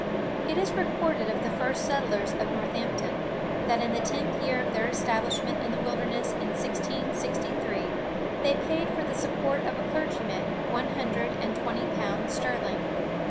It is recorded of the first settlers of Northampton, that in the tenth year of their establishment in the wilderness, in 1663, they paid for the support of a clergyman one hundred and twenty pounds sterling.